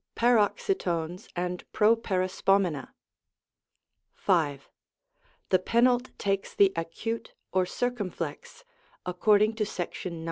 PAHOXYTONES AND PEOPERISPOMENA. V. The penult takes the acute or circumflex (ac cording to §9, 8.)